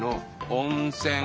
温泉。